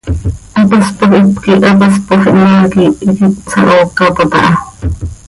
Hapaspoj hipquih hapaspoj ihmaa quih iiqui cohsahoocapot aha.